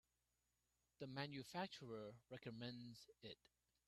The manufacturer recommends it.